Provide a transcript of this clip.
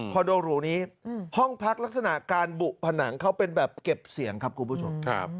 โดหรูนี้ห้องพักลักษณะการบุผนังเขาเป็นแบบเก็บเสียงครับคุณผู้ชม